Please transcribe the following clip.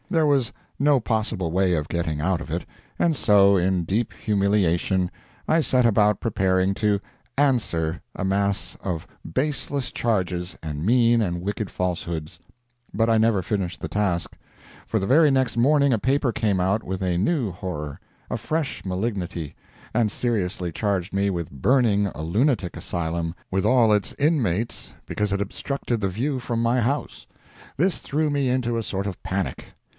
There was no possible way of getting out of it, and so, in deep humiliation, I set about preparing to "answer" a mass of baseless charges and mean and wicked falsehoods. But I never finished the task, for the very next morning a paper came out with a new horror, a fresh malignity, and seriously charged me with burning a lunatic asylum with all its inmates because it obstructed the view from my house. This threw me into a sort of panic.